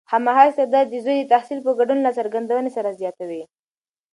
خامخا استعداد د زوی د تحصیل په ګډون له څرګندونې سره زیاتوي.